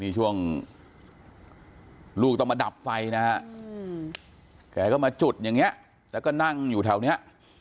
นี่ช่วงลูกต้องมาดับไฟนะฮะแกก็มาจุดอย่างนี้แล้วก็นั่งอยู่แถวนี้